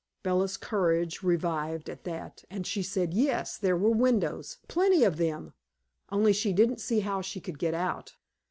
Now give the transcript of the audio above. Bella's courage revived at that, and she said yes, there were windows, plenty of them, only she didn't see how she could get out.